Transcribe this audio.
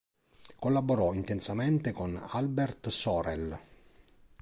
Collaborò intensamente con Albert Sorel.